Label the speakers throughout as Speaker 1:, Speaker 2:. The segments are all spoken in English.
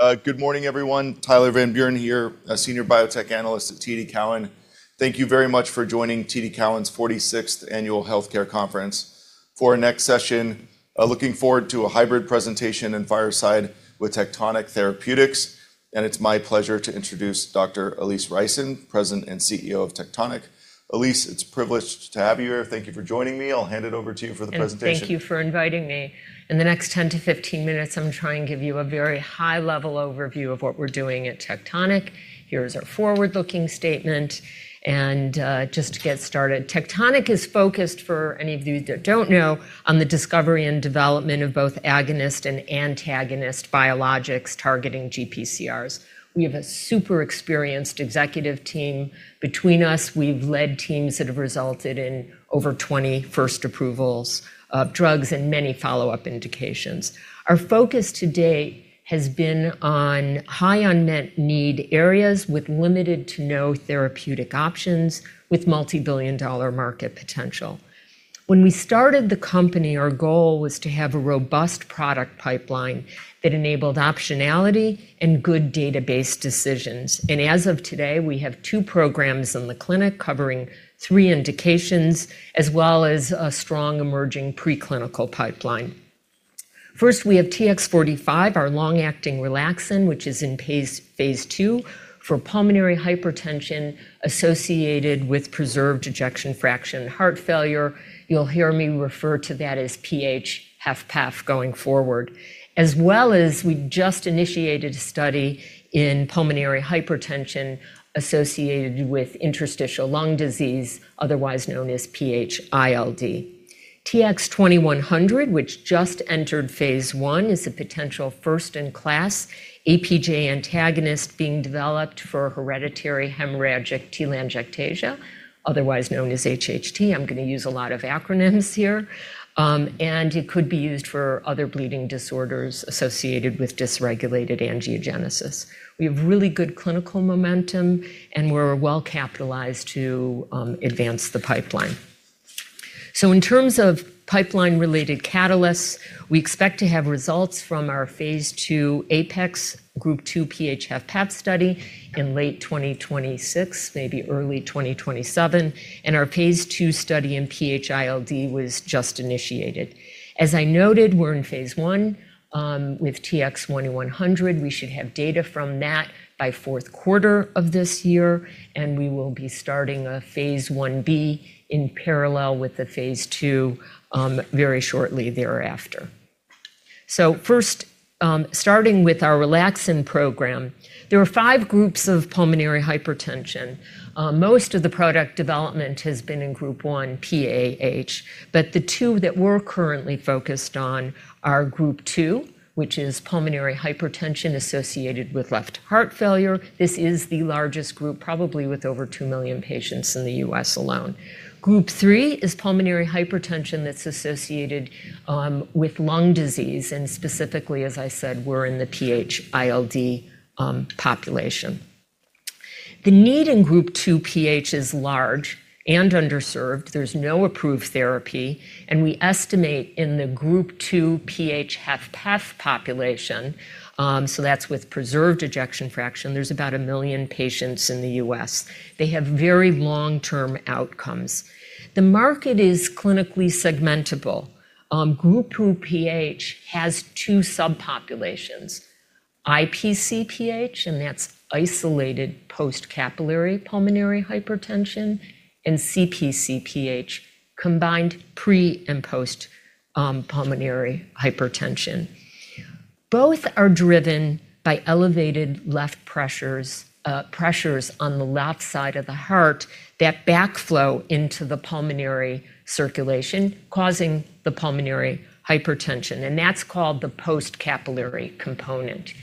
Speaker 1: All right. Good morning, everyone. Tyler Van Buren here, a Senior Biotech Analyst at TD Cowen. Thank you very much for joining TD Cowen's 46th Annual Healthcare Conference. For our next session, looking forward to a hybrid presentation and fireside with Tectonic Therapeutics, and it's my pleasure to introduce Dr. Alise Reicin, President and CEO of Tectonic. Alise, it's a privilege to have you here. Thank you for joining me. I'll hand it over to you for the presentation.
Speaker 2: Thank you for inviting me. In the next 10-15 minutes, I'm gonna try and give you a very high-level overview of what we're doing at Tectonic. Here is our forward-looking statement. Just to get started, Tectonic is focused, for any of you that don't know, on the discovery and development of both agonist and antagonist biologics targeting GPCRs. We have a super experienced executive team. Between us, we've led teams that have resulted in over 20 first approvals of drugs and many follow-up indications. Our focus to date has been on high unmet need areas with limited to no therapeutic options with multi-billion dollar market potential. When we started the company, our goal was to have a robust product pipeline that enabled optionality and good database decisions. As of today, we have two programs in the clinic covering three indications, as well as a strong emerging preclinical pipeline. First, we have TX45, our long-acting relaxin, which is in phase II for pulmonary hypertension associated with preserved ejection fraction heart failure. You'll hear me refer to that as PH-HFpEF going forward. As well as we just initiated a study in pulmonary hypertension associated with interstitial lung disease, otherwise known as PH-ILD. TX2100, which just entered phase I, is a potential first-in-class APJ antagonist being developed for hereditary hemorrhagic telangiectasia, otherwise known as HHT. I'm gonna use a lot of acronyms here. It could be used for other bleeding disorders associated with dysregulated angiogenesis. We have really good clinical momentum, we're well-capitalized to advance the pipeline. In terms of pipeline-related catalysts, we expect to have results from our phase II APEX group two PH-HFpEF study in late 2026, maybe early 2027, and our phase II study in PH-ILD was just initiated. As I noted, we're in phase I with TX2100. We should have data from that by Q4 of this year, and we will be starting a phase I-B in parallel with the phase II very shortly thereafter. First, starting with our Relaxin program, there are five groups of pulmonary hypertension. Most of the product development has been in group one PAH, but the two that we're currently focused on are group two, which is pulmonary hypertension associated with left heart failure. This is the largest group, probably with over 2 million patients in the U.S. alone. Group three is pulmonary hypertension that's associated with lung disease, and specifically, as I said, we're in the PH-ILD population. The need in group two PH is large and underserved. There's no approved therapy, and we estimate in the group two PH-HFpEF population, so that's with preserved ejection fraction, there's about 1 million patients in the U.S. They have very long-term outcomes. The market is clinically segmentable. Group two PH has two subpopulations, IPCPH, and that's isolated post-capillary pulmonary hypertension, and CPCPH, combined pre- and post- pulmonary hypertension. Both are driven by elevated left pressures on the left side of the heart that backflow into the pulmonary circulation, causing the pulmonary hypertension, and that's called the post-capillary component.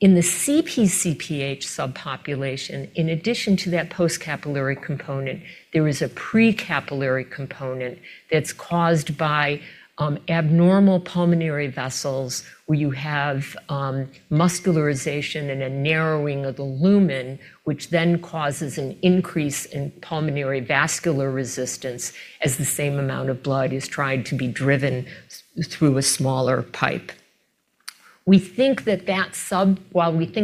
Speaker 2: In the CPCPH subpopulation, in addition to that post-capillary component, there is a pre-capillary component that's caused by abnormal pulmonary vessels where you have muscularization and a narrowing of the lumen, which then causes an increase in pulmonary vascular resistance as the same amount of blood is trying to be driven through a smaller pipe. While we think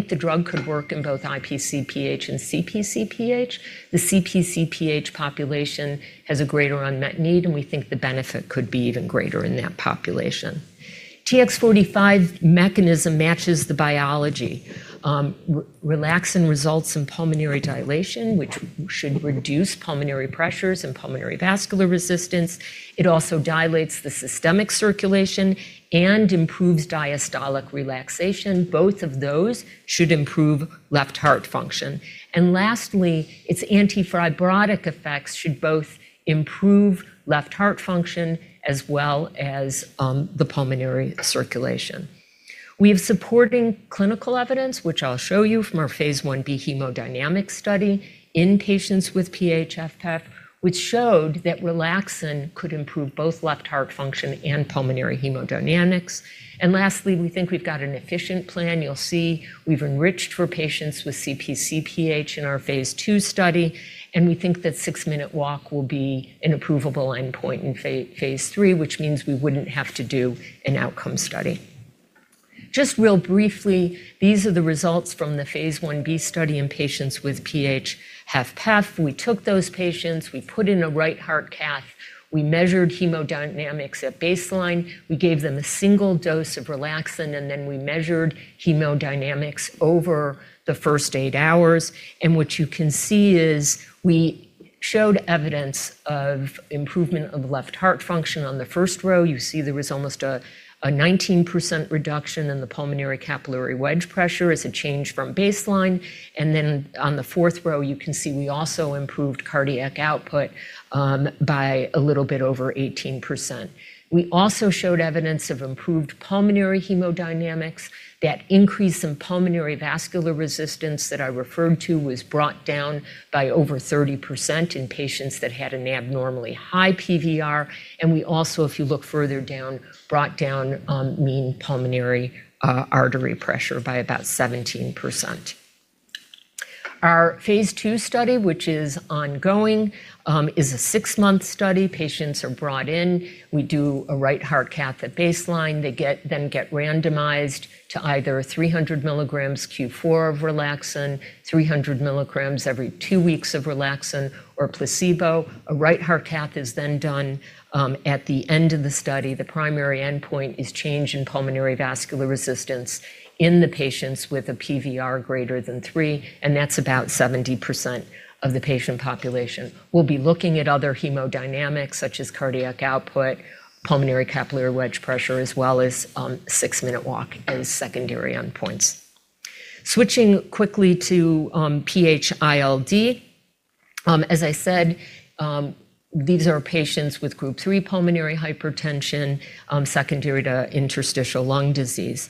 Speaker 2: the drug could work in both IPCPH and CPCPH, the CPCPH population has a greater unmet need, and we think the benefit could be even greater in that population. TX45 mechanism matches the biology. Relaxin results in pulmonary dilation, which should reduce pulmonary pressures and pulmonary vascular resistance. It also dilates the systemic circulation and improves diastolic relaxation. Both of those should improve left heart function. Lastly, its anti-fibrotic effects should both improve left heart function as well as the pulmonary circulation. We have supporting clinical evidence, which I'll show you from our phase I-B hemodynamic study in patients with PH-HFpEF, which showed that relaxin could improve both left heart function and pulmonary hemodynamics. Lastly, we think we've got an efficient plan. You'll see we've enriched for patients with CPCPH in our phase II study, and we think that Six-Minute Walk will be an approvable endpoint in phase III, which means we wouldn't have to do an outcome study. Just real briefly, these are the results from the phase I-B study in patients with PH-HFpEF. We took those patients, we put in a right heart cath, we measured hemodynamics at baseline, we gave them a single dose of relaxin, and then we measured hemodynamics over the first eight hours. What you can see is we showed evidence of improvement of left heart function on the first row. You see there was almost a 19% reduction in the pulmonary capillary wedge pressure as a change from baseline. On the fourth row, you can see we also improved cardiac output by a little bit over 18%. We also showed evidence of improved pulmonary hemodynamics. That increase in pulmonary vascular resistance that I referred to was brought down by over 30% in patients that had an abnormally high PVR. We also, if you look further down, brought down mean pulmonary artery pressure by about 17%. Our phase II study, which is ongoing, is a six-month study. Patients are brought in. We do a right heart cath at baseline. They then get randomized to either 300 mg Q4 of relaxin, 300 mg every two weeks of relaxin or placebo. A right heart cath is then done at the end of the study. The primary endpoint is change in pulmonary vascular resistance in the patients with a PVR greater than three. That's about 70% of the patient population. We'll be looking at other hemodynamics, such as cardiac output, pulmonary capillary wedge pressure, as well as Six-Minute Walk as secondary endpoints. Switching quickly to PH-ILD. As I said, these are patients with group three pulmonary hypertension secondary to interstitial lung disease.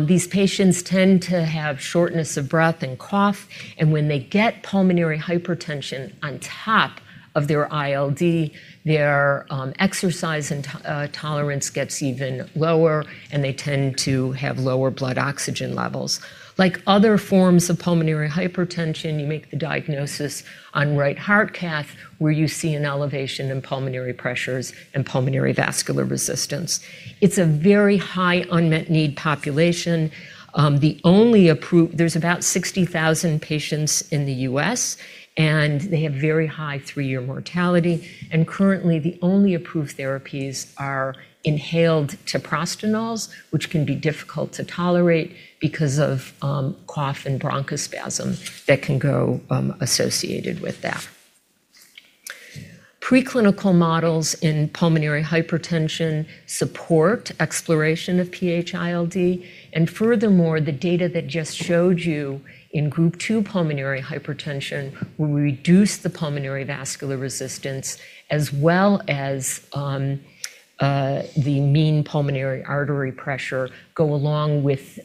Speaker 2: These patients tend to have shortness of breath and cough, and when they get pulmonary hypertension on top of their ILD, their exercise and tolerance gets even lower, and they tend to have lower blood oxygen levels. Like other forms of pulmonary hypertension, you make the diagnosis on right heart cath, where you see an elevation in pulmonary pressures and pulmonary vascular resistance. It's a very high unmet need population. There's about 60,000 patients in the U.S., and they have very high three-year mortality. Currently, the only approved therapies are inhaled treprostinil which can be difficult to tolerate because of cough and bronchospasm that can go associated with that. Preclinical models in pulmonary hypertension support exploration of PH-ILD. Furthermore, the data that just showed you in group two pulmonary hypertension will reduce the pulmonary vascular resistance as well as the mean pulmonary artery pressure go along with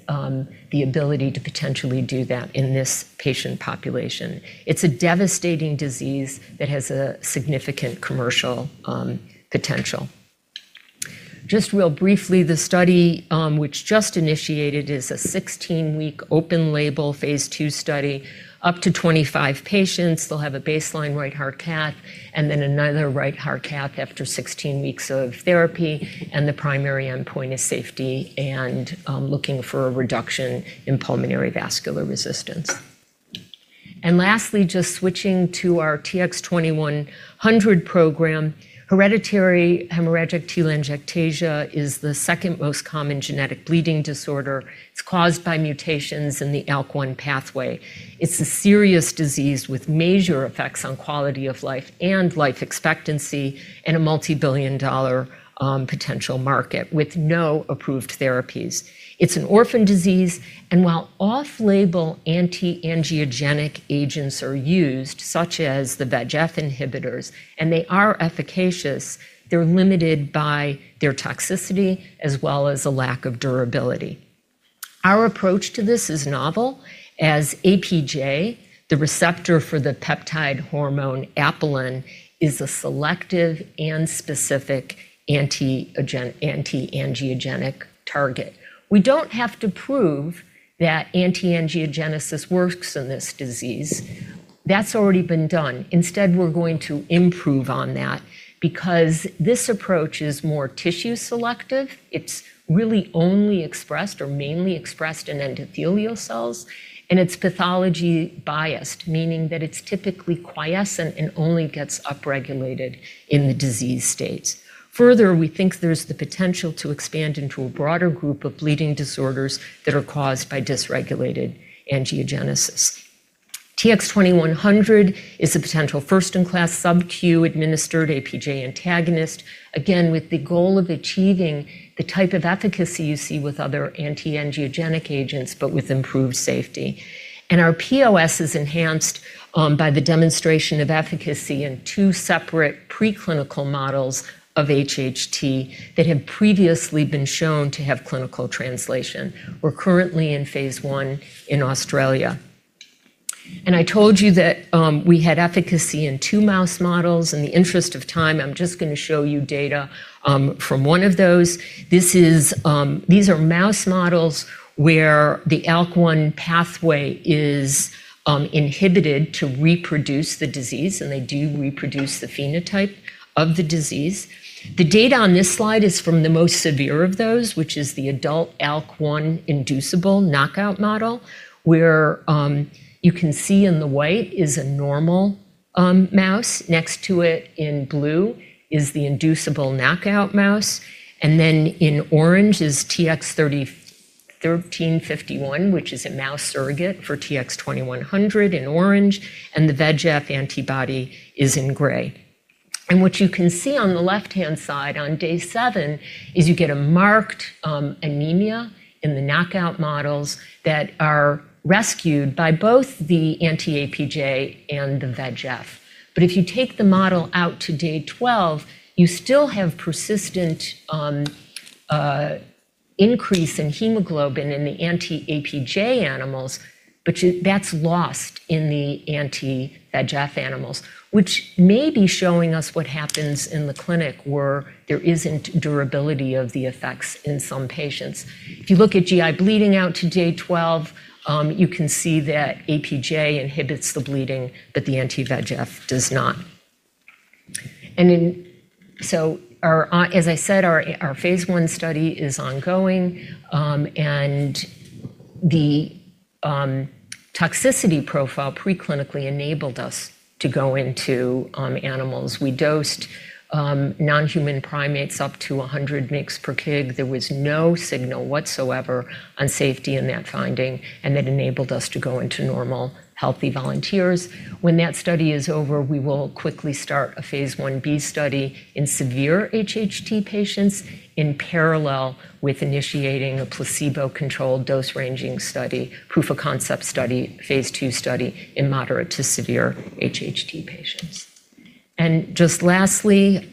Speaker 2: the ability to potentially do that in this patient population. It's a devastating disease that has a significant commercial potential. Just real briefly, the study, which just initiated is a 16-week open-label phase II study, up to 25 patients. They'll have a baseline right heart cath and then another right heart cath after 16 weeks of therapy, and the primary endpoint is safety and looking for a reduction in pulmonary vascular resistance. Lastly, just switching to our TX2100 program. Hereditary hemorrhagic telangiectasia is the second most common genetic bleeding disorder. It's caused by mutations in the ALK1 pathway. It's a serious disease with major effects on quality of life and life expectancy and a multibillion-dollar potential market with no approved therapies. It's an orphan disease, and while off-label anti-angiogenic agents are used, such as the VEGF inhibitors, and they are efficacious, they're limited by their toxicity as well as a lack of durability. Our approach to this is novel as APJ, the receptor for the peptide hormone apelin, is a selective and specific anti-angiogenic target. We don't have to prove that anti-angiogenesis works in this disease. That's already been done. Instead, we're going to improve on that because this approach is more tissue-selective. It's really only expressed or mainly expressed in endothelial cells, and it's pathology-biased, meaning that it's typically quiescent and only gets upregulated in the disease states. We think there's the potential to expand into a broader group of bleeding disorders that are caused by dysregulated angiogenesis. TX2100 is a potential first-in-class sub-Q administered APJ antagonist, again, with the goal of achieving the type of efficacy you see with other anti-angiogenic agents, but with improved safety. Our POS is enhanced by the demonstration of efficacy in two separate preclinical models of HHT that have previously been shown to have clinical translation. We're currently in phase I in Australia. I told you that we had efficacy in two mouse models. In the interest of time, I'm just gonna show you data from one of those. These are mouse models where the ALK1 pathway is inhibited to reproduce the disease, they do reproduce the phenotype of the disease. The data on this slide is from the most severe of those, which is the adult ALK1 inducible knockout model, where you can see in the white is a normal mouse. Next to it in blue is the inducible knockout mouse, then in orange is TX1351, which is a mouse surrogate for TX2100 in orange, and the VEGF antibody is in gray. What you can see on the left-hand side on day seven is you get a marked anemia in the knockout models that are rescued by both the anti-APJ and the VEGF. If you take the model out to day 12, you still have persistent increase in hemoglobin in the anti-APJ animals, but that's lost in the anti-VEGF animals, which may be showing us what happens in the clinic where there isn't durability of the effects in some patients. If you look at GI bleeding out to day 12, you can see that APJ inhibits the bleeding, but the anti-VEGF does not. As I said, our phase I study is ongoing, and the toxicity profile preclinically enabled us to go into animals. We dosed non-human primates up to 100 mg/kg. There was no signal whatsoever on safety in that finding, and that enabled us to go into normal, healthy volunteers. When that study is over, we will quickly start a phase I-B study in severe HHT patients in parallel with initiating a placebo-controlled dose-ranging study, proof-of-concept study, phase II study in moderate to severe HHT patients. Just lastly,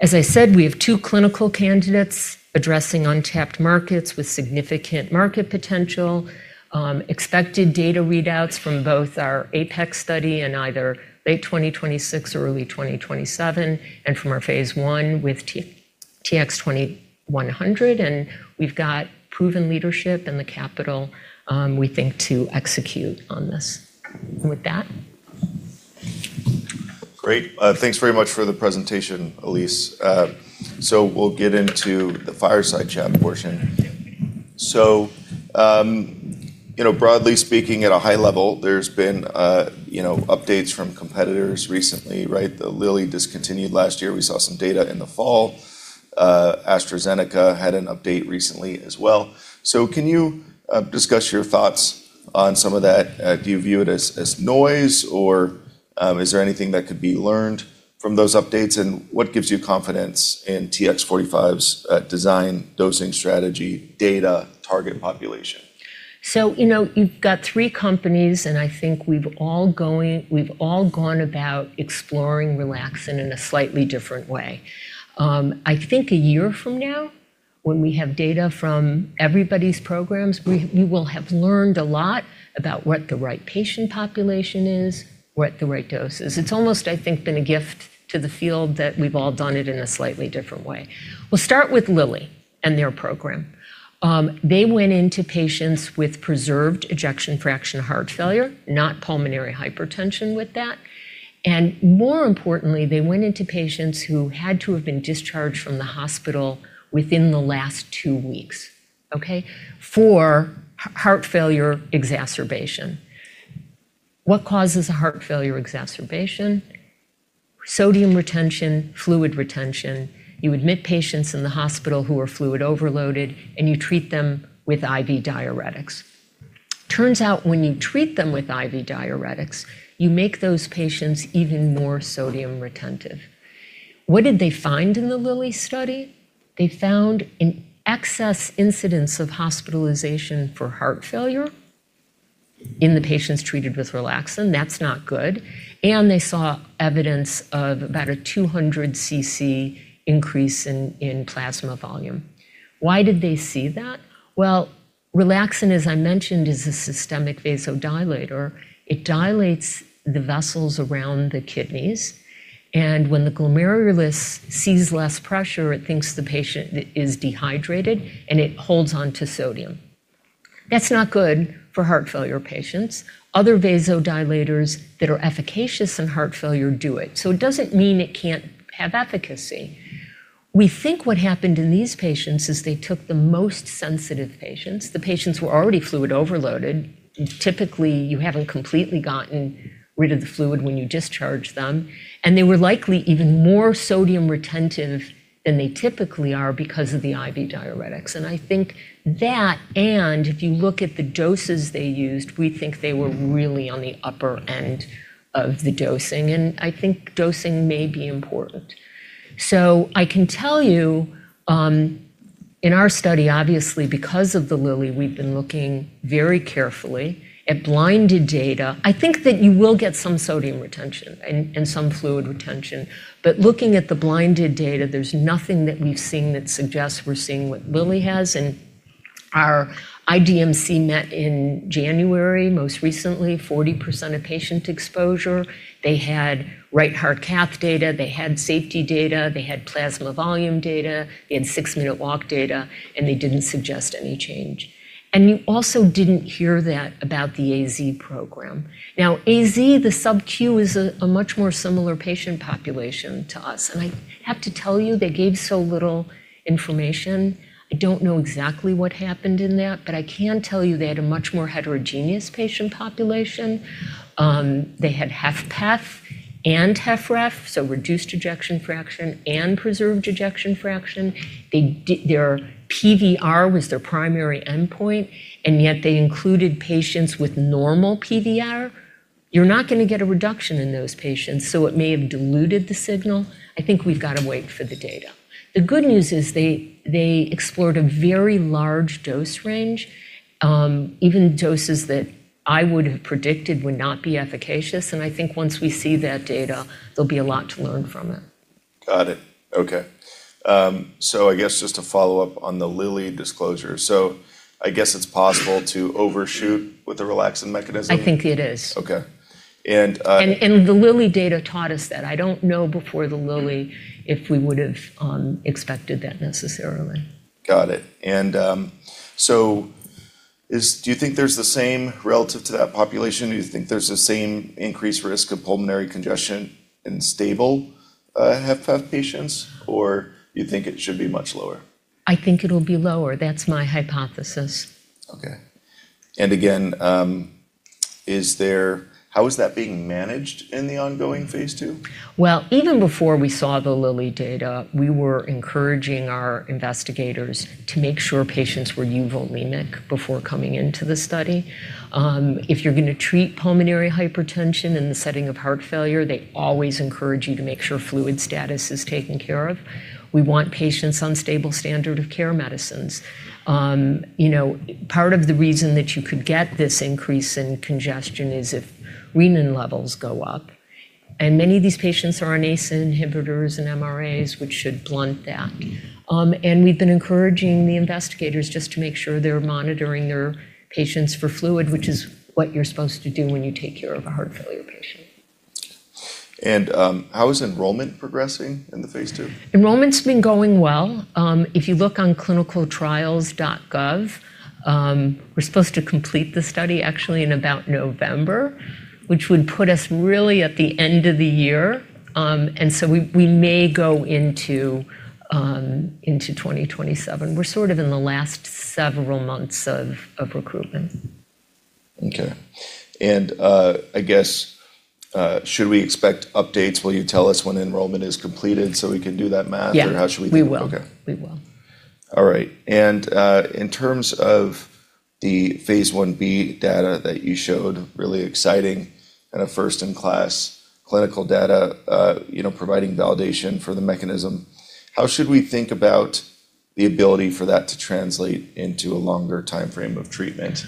Speaker 2: as I said, we have two clinical candidates addressing untapped markets with significant market potential. Expected data readouts from both our APEX study in either late 2026 or early 2027 and from our phase I with TX2100, and we've got proven leadership and the capital, we think to execute on this. With that.
Speaker 1: Great. Thanks very much for the presentation, Alise. We'll get into the fireside chat portion. You know, broadly speaking at a high level, there's been, you know, updates from competitors recently, right? The Lilly discontinued last year. We saw some data in the fall. AstraZeneca had an update recently as well. Can you discuss your thoughts on some of that? Do you view it as noise or is there anything that could be learned from those updates, and what gives you confidence in TX45's design, dosing strategy, data, target population?
Speaker 2: You know, you've got three companies, I think we've all gone about exploring relaxin in a slightly different way. I think a year from now when we have data from everybody's programs, we will have learned a lot about what the right patient population is, what the right dose is. It's almost, I think, been a gift to the field that we've all done it in a slightly different way. We'll start with Lilly and their program. They went into patients with Heart Failure with preserved Ejection Fraction, not pulmonary hypertension with that. More importantly, they went into patients who had to have been discharged from the hospital within the last two weeks, okay, for heart failure exacerbation. What causes a heart failure exacerbation? Sodium retention, fluid retention. You admit patients in the hospital who are fluid overloaded, and you treat them with IV diuretics. Turns out when you treat them with IV diuretics, you make those patients even more sodium retentive. What did they find in the Lilly study? They found an excess incidence of hospitalization for heart failure in the patients treated with relaxin. That's not good. They saw evidence of about a 200 cc increase in plasma volume. Why did they see that? Well, relaxin, as I mentioned, is a systemic vasodilator. It dilates the vessels around the kidneys, and when the glomerulus sees less pressure, it thinks the patient is dehydrated, and it holds onto sodium. That's not good for heart failure patients. Other vasodilators that are efficacious in heart failure do it. It doesn't mean it can't have efficacy. We think what happened in these patients is they took the most sensitive patients. The patients were already fluid overloaded. Typically, you haven't completely gotten rid of the fluid when you discharge them, and they were likely even more sodium retentive than they typically are because of the IV diuretics. I think if you look at the doses they used, we think they were really on the upper end of the dosing, and I think dosing may be important. I can tell you, in our study, obviously, because of the Lilly, we've been looking very carefully at blinded data. I think that you will get some sodium retention and some fluid retention. Looking at the blinded data, there's nothing that we've seen that suggests we're seeing what Lilly has. Our IDMC met in January, most recently, 40% of patient exposure. They had right heart cath data. They had safety data. They had plasma volume data. They had Six-Minute Walk data. They didn't suggest any change. You also didn't hear that about the AZ program. AZ, the sub-Q is a much more similar patient population to us. I have to tell you, they gave so little information. I don't know exactly what happened in that. I can tell you they had a much more heterogeneous patient population. They had HFpEF and HFrEF, so reduced ejection fraction and preserved ejection fraction. Their PVR was their primary endpoint. They included patients with normal PVR. You're not gonna get a reduction in those patients, so it may have diluted the signal. I think we've gotta wait for the data. The good news is they explored a very large dose range, even doses that I would have predicted would not be efficacious. I think once we see that data, there'll be a lot to learn from it.
Speaker 1: Got it. Okay. I guess just to follow up on the Lilly disclosure. I guess it's possible to overshoot with the relaxin mechanism?
Speaker 2: I think it is.
Speaker 1: Okay.
Speaker 2: The Lilly data taught us that. I don't know before the Lilly if we would've expected that necessarily.
Speaker 1: Got it. Do you think there's the same relative to that population? Do you think there's the same increased risk of pulmonary congestion in stable HFpEF patients, or you think it should be much lower?
Speaker 2: I think it'll be lower. That's my hypothesis.
Speaker 1: Okay. Again, How is that being managed in the ongoing phase II?
Speaker 2: Even before we saw the Lilly data, we were encouraging our investigators to make sure patients were euvolemic before coming into the study. If you're gonna treat pulmonary hypertension in the setting of heart failure, they always encourage you to make sure fluid status is taken care of. We want patients on stable standard of care medicines. You know, part of the reason that you could get this increase in congestion is if renin levels go up, and many of these patients are on ACE inhibitor and MRAs, which should blunt that. We've been encouraging the investigators just to make sure they're monitoring their patients for fluid, which is what you're supposed to do when you take care of a heart failure patient.
Speaker 1: How is enrollment progressing in the phase II?
Speaker 2: Enrollment's been going well. If you look on ClinicalTrials.gov, we're supposed to complete the study actually in about November, which would put us really at the end of the year. We may go into 2027. We're sort of in the last several months of recruitment.
Speaker 1: Okay. I guess, should we expect updates? Will you tell us when enrollment is completed so we can do that?
Speaker 2: Yeah.
Speaker 1: How should we think?
Speaker 2: We will.
Speaker 1: Okay.
Speaker 2: We will.
Speaker 1: All right. In terms of the phase I-B data that you showed, really exciting and a first-in-class clinical data, you know, providing validation for the mechanism. How should we think about the ability for that to translate into a longer timeframe of treatment?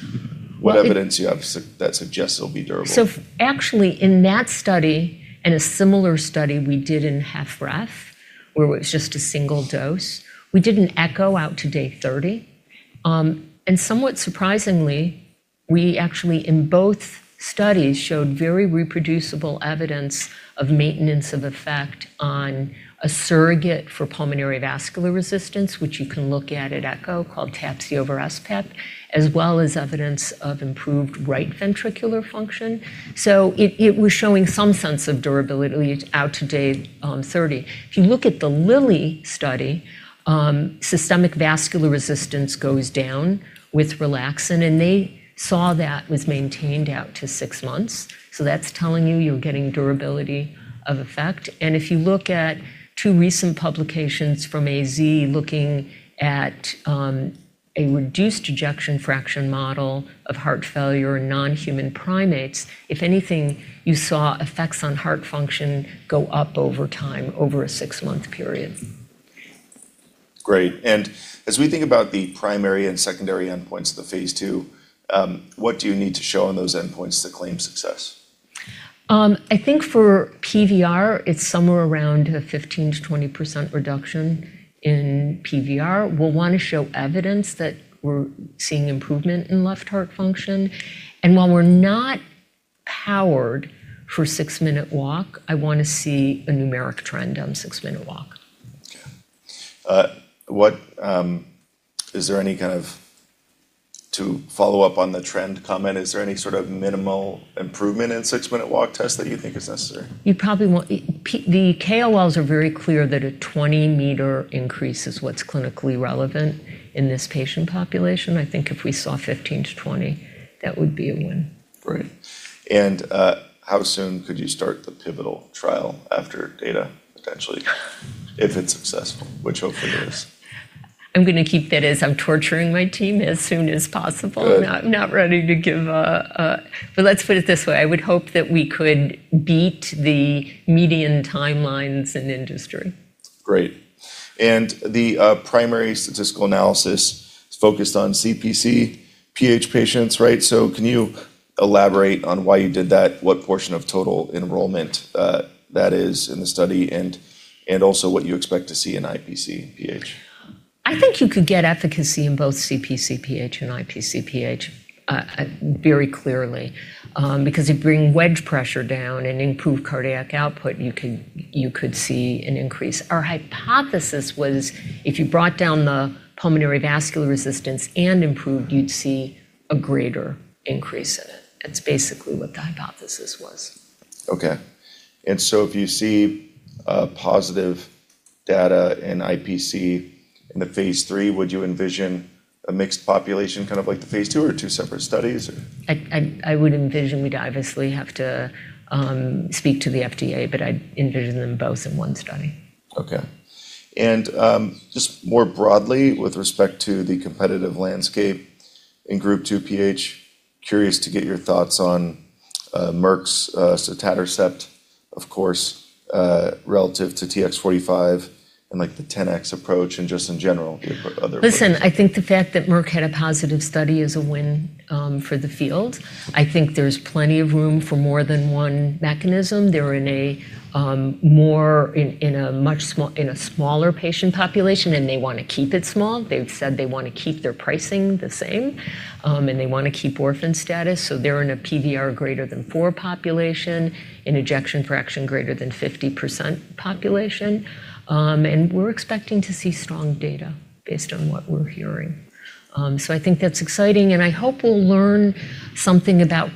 Speaker 2: Well.
Speaker 1: What evidence you have that suggests it'll be durable?
Speaker 2: Actually, in that study and a similar study we did in HFpEF, where it was just a single dose, we did an echo out to day 30. Somewhat surprisingly, we actually, in both studies, showed very reproducible evidence of maintenance of effect on a surrogate for pulmonary vascular resistance, which you can look at at echo called TAPSE/sPAP, as well as evidence of improved right ventricular function. It was showing some sense of durability out to day 30. If you look at the Lilly study, systemic vascular resistance goes down with relaxin, and they saw that was maintained out to six months. That's telling you you're getting durability of effect. If you look at two recent publications from AZ looking at a reduced ejection fraction model of heart failure in non-human primates, if anything, you saw effects on heart function go up over time over a six-month period.
Speaker 1: Great. As we think about the primary and secondary endpoints of the phase II, what do you need to show on those endpoints to claim success?
Speaker 2: I think for PVR, it's somewhere around a 15%-20% reduction in PVR. We'll wanna show evidence that we're seeing improvement in left heart function. While we're not powered for Six-Minute Walk, I wanna see a numeric trend on Six-Minute Walk.
Speaker 1: To follow up on the trend comment, is there any sort of minimal improvement in Six-Minute Walk Test that you think is necessary?
Speaker 2: You probably won't. The KOLs are very clear that a 20-m increase is what's clinically relevant in this patient population. I think if we saw 15 m-20 m, that would be a win.
Speaker 1: Great. How soon could you start the pivotal trial after data, potentially, if it's successful, which hopefully it is?
Speaker 2: I'm gonna keep that as I'm torturing my team as soon as possible.
Speaker 1: Good.
Speaker 2: I'm not ready. Let's put it this way. I would hope that we could beat the median timelines in industry.
Speaker 1: Great. The primary statistical analysis is focused on CPCPH patients, right? Can you elaborate on why you did that, what portion of total enrollment that is in the study, and also what you expect to see in IPCPH?
Speaker 2: I think you could get efficacy in both CPCPH and IPCPH, very clearly, because you bring wedge pressure down and improve cardiac output, you could see an increase. Our hypothesis was if you brought down the pulmonary vascular resistance and improved, you'd see a greater increase in it. That's basically what the hypothesis was.
Speaker 1: Okay. If you see positive data in IPC in the phase III, would you envision a mixed population, kind of like the phase II or two separate studies? Or?
Speaker 2: I would envision we'd obviously have to speak to the FDA. I envision them both in one study.
Speaker 1: Okay. Just more broadly with respect to the competitive landscape in Group 2 PH, curious to get your thoughts on Merck's sotatercept, of course, relative to TX45 and like the Tenax Therapeutics approach and just in general.
Speaker 2: Listen, I think the fact that Merck had a positive study is a win for the field. I think there's plenty of room for more than one mechanism. They're in a smaller patient population, and they wanna keep it small. They've said they wanna keep their pricing the same, and they wanna keep orphan status, so they're in a PVR greater than four population, an ejection fraction greater than 50% population. We're expecting to see strong data based on what we're hearing. I think that's exciting, and I hope we'll learn something about,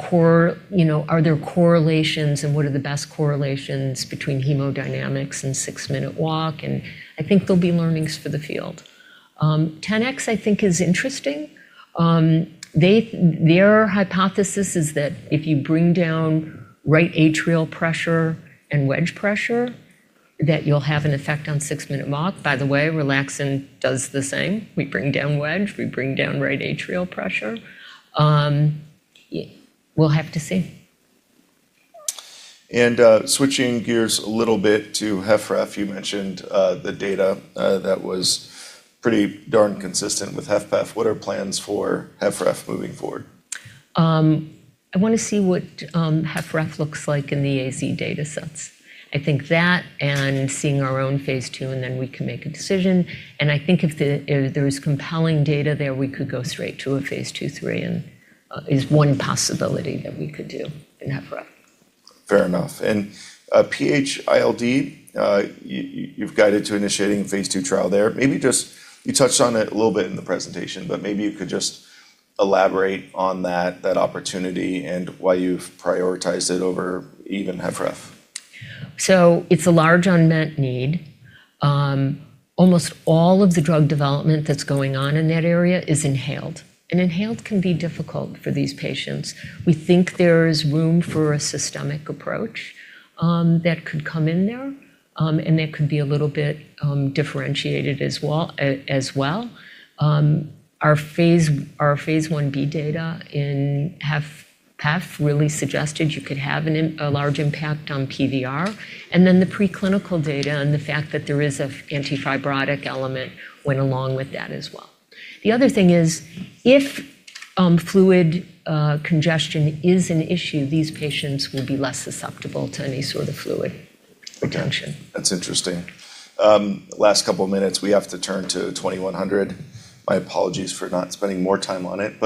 Speaker 2: you know, are there correlations and what are the best correlations between hemodynamics and Six-Minute Walk? I think there'll be learnings for the field. Tenax Therapeutics, I think, is interesting. They, their hypothesis is that if you bring down right atrial pressure and wedge pressure, that you'll have an effect on Six-Minute Walk. By the way, relaxin does the same. We bring down wedge. We bring down right atrial pressure. We'll have to see.
Speaker 1: Switching gears a little bit to HFpREF, you mentioned, the data, that was pretty darn consistent with HFpEF. What are plans for HFpREF moving forward?
Speaker 2: I wanna see what HFpEF looks like in the AC datasets. I think that and seeing our own phase II, and then we can make a decision. I think if there is compelling data there, we could go straight to a phase II/III and is one possibility that we could do in HFpEF.
Speaker 1: Fair enough. PH-ILD, you've guided to initiating phase II trial there. Maybe just, you touched on it a little bit in the presentation, but maybe you could just elaborate on that opportunity and why you've prioritized it over even HFpEF.
Speaker 2: It's a large unmet need. Almost all of the drug development that's going on in that area is inhaled can be difficult for these patients. We think there is room for a systemic approach that could come in there, that could be a little bit differentiated as well. Our phase I-B data in HFpEF really suggested you could have a large impact on PVR. The preclinical data and the fact that there is a antifibrotic element went along with that as well. The other thing is, if fluid congestion is an issue, these patients will be less susceptible to any sort of fluid retention.
Speaker 1: Okay. That's interesting. Last couple minutes, we have to turn to TX2100. My apologies for not spending more time on it.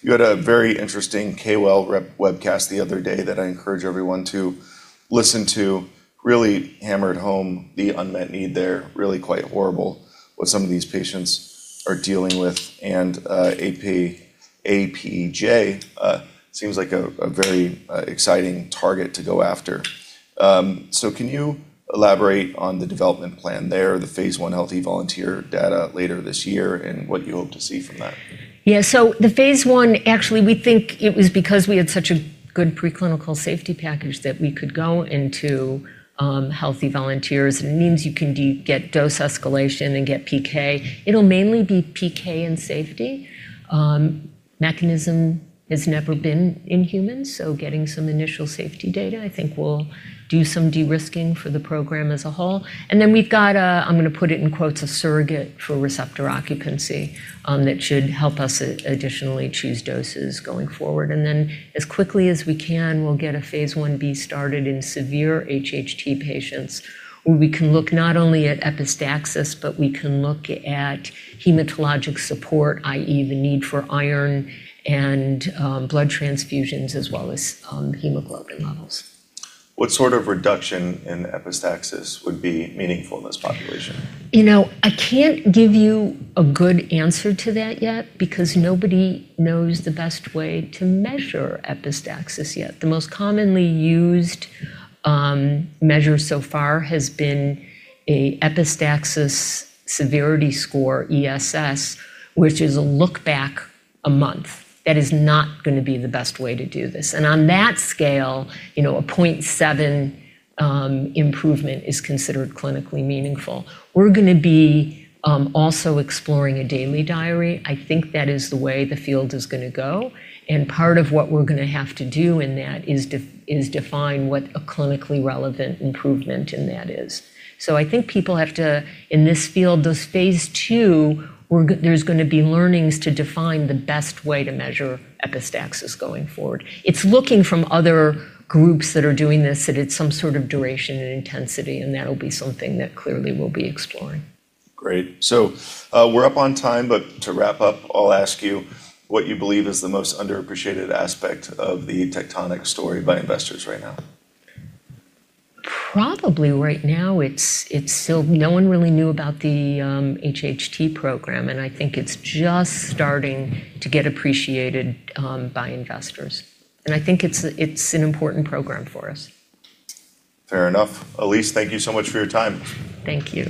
Speaker 1: You had a very interesting KOL webcast the other day that I encourage everyone to listen to. Really hammered home the unmet need there. Really quite horrible what some of these patients are dealing with. APJ seems like a very exciting target to go after. Can you elaborate on the development plan there, the phase I healthy volunteer data later this year, and what you hope to see from that?
Speaker 2: The phase I, actually, we think it was because we had such a good preclinical safety package that we could go into healthy volunteers. It means you can get dose escalation and get PK. It'll mainly be PK and safety. Mechanism has never been in humans, so getting some initial safety data, I think, will do some de-risking for the program as a whole. Then we've got a, I'm gonna put it in quotes, a "surrogate" for receptor occupancy that should help us additionally choose doses going forward. Then as quickly as we can, we'll get a phase I-B started in severe HHT patients, where we can look not only at epistaxis, but we can look at hematologic support, i.e., the need for iron and blood transfusions as well as hemoglobin levels.
Speaker 1: What sort of reduction in epistaxis would be meaningful in this population?
Speaker 2: You know, I can't give you a good answer to that yet because nobody knows the best way to measure epistaxis yet. The most commonly used measure so far has been a epistaxis severity score, ESS, which is a look back a month. That is not gonna be the best way to do this. On that scale, you know, a 0.7 improvement is considered clinically meaningful. We're gonna be also exploring a daily diary. I think that is the way the field is gonna go. Part of what we're gonna have to do in that is define what a clinically relevant improvement in that is. I think people have to, in this field, those phase II, there's gonna be learnings to define the best way to measure epistaxis going forward. It's looking from other groups that are doing this, that it's some sort of duration and intensity, and that'll be something that clearly we'll be exploring.
Speaker 1: Great. We're up on time, to wrap up, I'll ask you what you believe is the most underappreciated aspect of the Tectonic story by investors right now?
Speaker 2: Probably right now it's still no one really knew about the HHT program, and I think it's just starting to get appreciated by investors. I think it's a, it's an important program for us.
Speaker 1: Fair enough. Alise, thank you so much for your time.
Speaker 2: Thank you.